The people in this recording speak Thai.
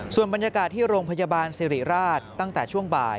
ส่วนบรรยากาศที่โรงพยาบาลสิริราชตั้งแต่ช่วงบ่าย